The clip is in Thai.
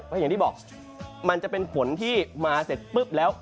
ก็อย่างที่บอกมันจะเป็นฝนที่มาเสร็จปุ๊บแล้ว